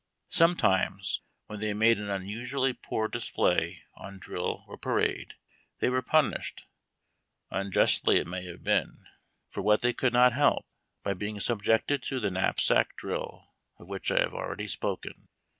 Sometimes, when they made an unusually poor display on drill or parade, they were punished — unjustly it may have been, for what 210 HAlil) TACK AND COFFEE. they could not help — by being subjected to the knapsack drill, of which I have already spoken.